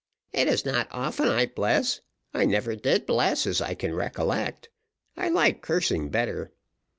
"It is not often I bless I never did bless as I can recollect I like cursing better.